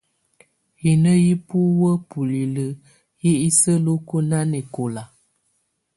Hino hi buwǝ́ bulilǝ́ yɛ́ isǝ́luku nanɛkɔla.